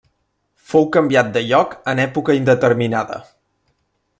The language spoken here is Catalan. Fou canviat de lloc en època indeterminada.